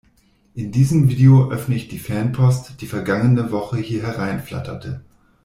In diesem Video öffne ich die Fanpost, die vergangene Woche hier herein flatterte.